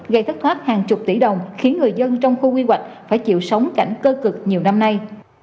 gây thất thoát hàng chục tỷ đồng khiến người dân trong khu quy hoạch phải chịu sống cảnh cơ cực nhiều năm nay